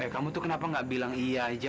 kamu tuh kenapa gak bilang iya aja